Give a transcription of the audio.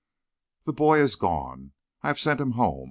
The boy is gone. I have sent him home.